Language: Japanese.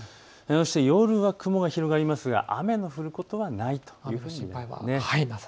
夜は雲が広がりますが雨の降ることはないというふうに見られます。